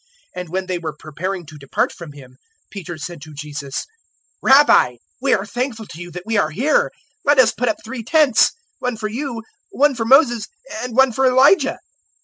009:033 And when they were preparing to depart from Him, Peter said to Jesus, "Rabbi, we are thankful to you that we are here. Let us put up three tents one for you, one for Moses, and one for Elijah."